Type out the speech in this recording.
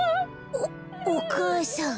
おお母さん。